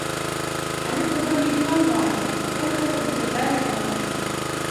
Але трэба мець на ўвазе, як гэта выглядае звонку.